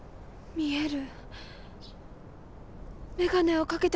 見える！